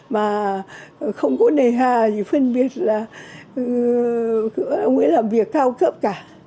mà không có nề hà gì phân biệt là ông ấy làm việc cao cướp cả